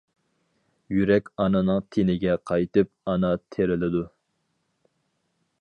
يۈرەك ئانىنىڭ تېنىگە قايتىپ، ئانا تىرىلىدۇ.